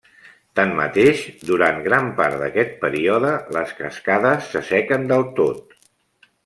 Tanmateix, durant gran part d'aquest període, les cascades s'assequen del tot.